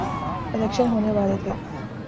election ہونے والے تھے